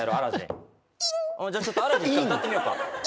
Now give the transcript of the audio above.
じゃあちょっと『アラジン』歌ってみようか。